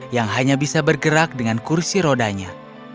yang hanya bisa bergerak dengan kursi rodanya